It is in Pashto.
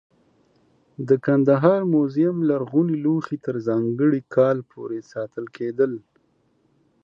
د کندهار موزیم لرغوني لوښي تر ځانګړي کال پورې ساتل کېدل.